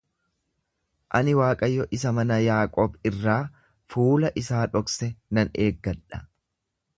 Ani Waaqayyo isa mana Yaaqoob irraa fuula isaa dhokse nan eeggadha.